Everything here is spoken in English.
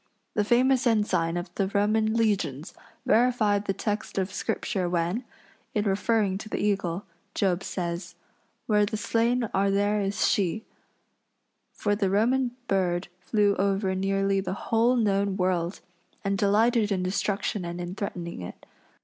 The famous ensign of the Roman legions verified the text of Scripture when, in referring to the eagle, Job says: "Where the slain are there is she," for the Roman bird flew over nearly the whole known world and delighted in destruction and in threatening it.